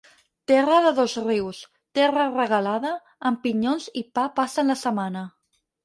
Terra de Dosrius, terra regalada; amb pinyons i pa passen la setmana.